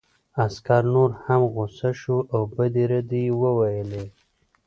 عسکر نور هم غوسه شو او بدې ردې یې وویلې